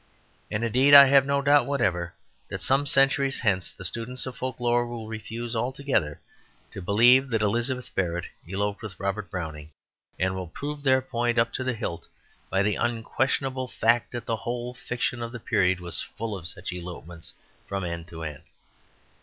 And, indeed, I have no doubt whatever that, some centuries hence, the students of folk lore will refuse altogether to believe that Elizabeth Barrett eloped with Robert Browning, and will prove their point up to the hilt by the unquestionable fact that the whole fiction of the period was full of such elopements from end to end.